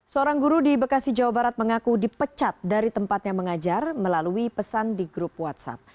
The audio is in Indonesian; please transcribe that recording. seorang guru di bekasi jawa barat mengaku dipecat dari tempatnya mengajar melalui pesan di grup whatsapp